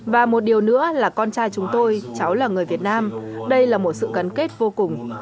và một điều nữa là con trai chúng tôi cháu là người việt nam đây là một sự gắn kết vô cùng